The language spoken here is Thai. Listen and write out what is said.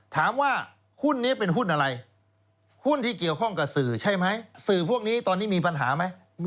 ถามว่าหุ้นนี้เป็นหุ้นอะไรหุ้นที่เกี่ยวข้องกับสื่อใช่ไหมสื่อพวกนี้ตอนนี้มีปัญหาไหม